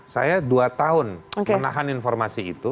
saya dua tahun menahan informasi itu